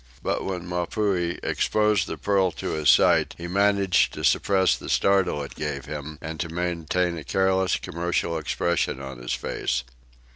But when Mapuhi exposed the pearl to his sight he managed to suppress the startle it gave him, and to maintain a careless, commercial expression on his face.